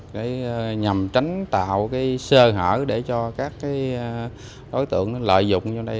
để nhằm tránh tạo cái sơ hở để cho các đối tượng lợi dụng vào đây